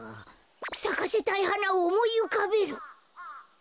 さかせたいはなをおもいうかべる！